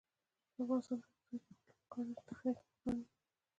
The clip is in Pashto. د افغانستان د اقتصادي پرمختګ لپاره پکار ده چې تخنیک پوهان وي.